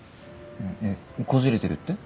えっこじれてるって？